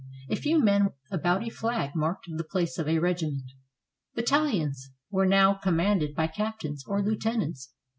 A few men about a flag marked the place of a regiment; battaHons were now commanded by captains or lieutenants.